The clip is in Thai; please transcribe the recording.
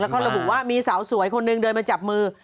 แล้วก็ระบุว่ามีสาวสวยคนหนึ่งเดินมาจับมือ